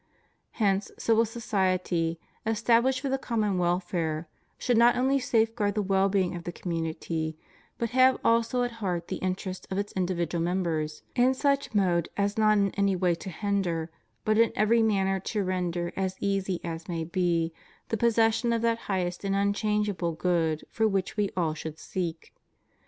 Hence civil society, established for the common welfare, should not only safeguard the well being of the community, but have also at heart the inter ests of its individual members, in such mode as not in any way to hinder, but in every manner to render as easy as may be, the possession of that highest and unchangeable good for which all should seek.